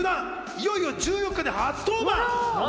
いよいよ１４日に初登板。